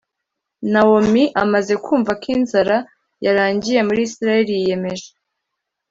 nawomi amaze kumva ko inzara yarangiye muri isirayeli yiyemeje